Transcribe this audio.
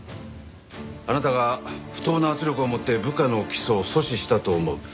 あなたが不当な圧力をもって部下の起訴を阻止したと思う。